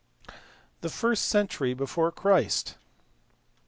The first century before Christ.